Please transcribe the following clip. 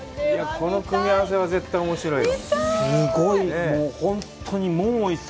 この組み合わせは絶対おもしろいよ。